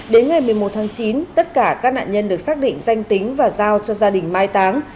đến ngày một mươi một tháng chín tất cả các nạn nhân được xác định danh tính và giao cho gia đình mai táng